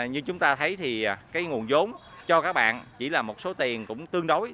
như chúng ta thấy thì cái nguồn giống cho các bạn chỉ là một số tiền cũng tương đối